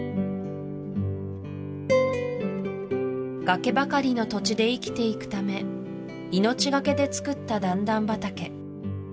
崖ばかりの土地で生きていくため命がけでつくった段々畑